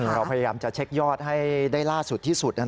เราพยายามจะเช็คยอดให้ได้ล่าสุดที่สุด